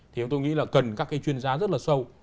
thì tôi nghĩ là cần các cái chuyên gia rất là sâu